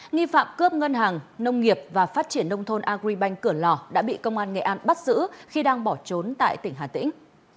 nghi phạm cướp ngân hàng nông nghiệp và phát triển nông thôn agribank cửa lò đã bị công an nghệ an bắt giữ khi đang bỏ trốn tại tỉnh hà tĩnh